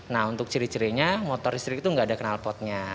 nah untuk ciri cirinya motor listrik itu nggak ada kenalpotnya